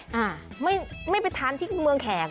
อ่่าไม่ไปทานที่เมืองแขกหง่อย